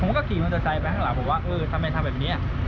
ก็ขี่มอเตอร์ไซค์ไปข้างหลังผมว่าเออทำไมทำแบบนี้